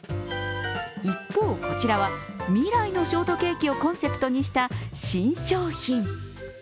一方、こちらは、未来のショートケーキをコンセプトにした新商品。